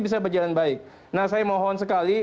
bisa berjalan baik nah saya mohon sekali